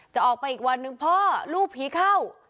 จะออกไปอีกวันหนึ่งพ่อลูกผีเข้า